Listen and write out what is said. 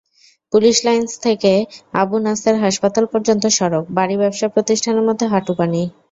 Police lines থেকে আবু নাসের হাসপাতাল পর্যন্ত সড়ক, বাড়ি, ব্যবসাপ্রতিষ্ঠানের মধ্যে হাঁটুপানি।